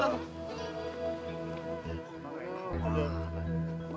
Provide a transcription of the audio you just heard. eh nanya di situ